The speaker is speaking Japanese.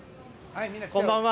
こんばんは。